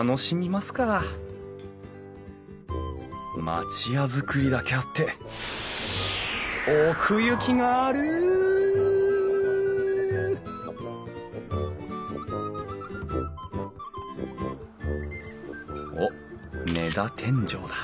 町屋造りだけあって奥行きがあるおっ根太天井だ。